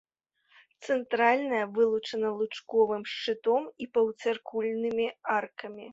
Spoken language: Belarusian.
Цэнтральная вылучана лучковым шчытом і паўцыркульнымі аркамі.